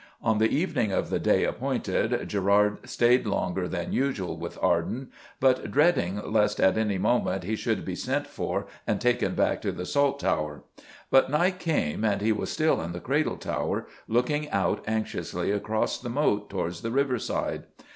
On the evening of the day appointed Gerard stayed longer than usual with Arden, but dreading lest at any moment he should be sent for and taken back to the Salt Tower. But night came and he was still in the Cradle Tower, looking out anxiously across the moat towards the riverside.